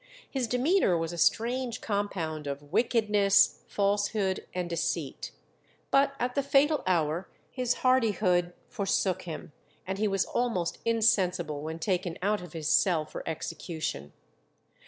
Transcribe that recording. His demeanour was a strange compound of wickedness, falsehood, and deceit. But at the fatal hour his hardihood forsook him, and he was almost insensible when taken out of his cell for execution.